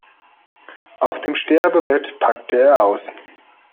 Auf dem Sterbebett packte er aus.